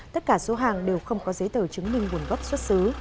tất cả số hàng đều không có giấy tờ chứng minh nguồn gốc xuất xứ